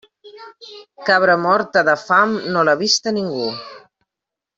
Cabra morta de fam no l'ha vista ningú.